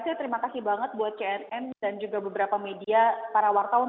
saya terima kasih banget buat cnn dan juga beberapa media para wartawan